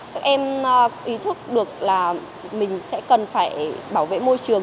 các em ý thức được là mình sẽ cần phải bảo vệ môi trường